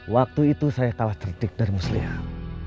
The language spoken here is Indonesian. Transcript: waktu itu saya kalah cerdik dari muslimah